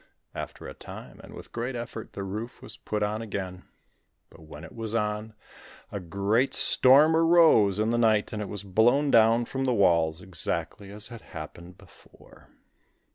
After a time, and with great effort, the roof was put on again. But when it was on, a great storm arose in the night and it was blown down from the walls, exactly as had happened before.